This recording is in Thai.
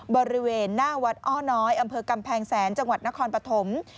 บริเวณหน้าวัดอ้อน้อยอำเภอกำแพงแสนจังหวัดนครปฐม